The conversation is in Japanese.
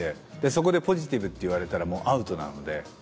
そこでポジティブって言われたらもうアウトなので。